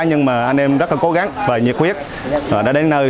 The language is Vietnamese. anh em rất là cố gắng và nhiệt quyết đã đến nơi